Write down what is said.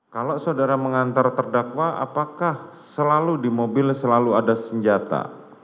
kalau saudara mengantar terdakwa apakah selalu di mobil selalu ada senjata